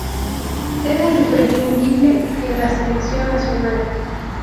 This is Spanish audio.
Era imprescindible en la Selección Nacional.